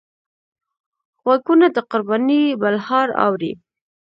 غوږونه د قربانۍ بلهار اوري